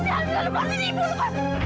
amirah lepas ini ibu lepas ini